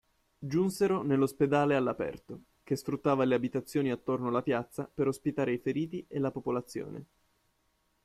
Giunsero nell'ospedale all'aperto, che sfruttava le abitazioni attorno la piazza per ospitare i feriti e la popolazione.